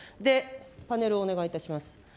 パネルをお願いいたします。